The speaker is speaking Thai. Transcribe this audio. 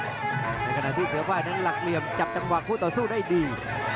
ในขณะที่เสือไฟนั้นหลักเหลี่ยมจับจังหวะคู่ต่อสู้ได้ดี